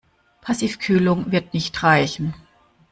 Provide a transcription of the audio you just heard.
Passivkühlung wird nicht reichen.